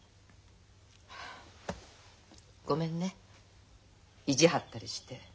ごめんね意地張ったりして。